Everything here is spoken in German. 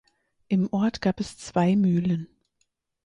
Im Ort gab es zwei Mühlen.